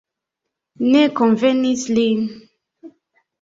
Ne konvenis li.